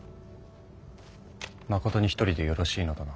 まことに一人でよろしいのだな？